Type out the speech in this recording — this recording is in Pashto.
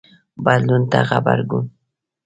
بدلون ته غبرګون